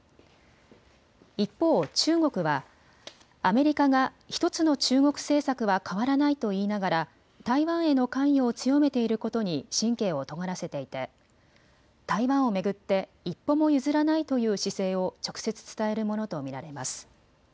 一方、中国はアメリカが１つの中国政策は変わらないと言いながら台湾への関与を強めていることに神経をとがらせていて台湾を巡って一歩も譲らないという姿勢を直接伝えるものと見られます。